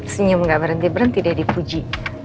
senyum gak berhenti berhenti dia dipuji